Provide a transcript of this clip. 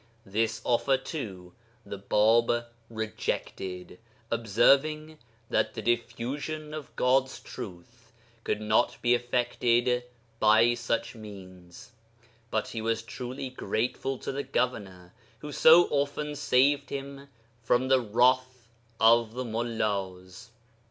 This offer, too, the Bāb rejected, observing that the diffusion of God's truth could not be effected by such means. But he was truly grateful to the governor who so often saved him from the wrath of the mullās.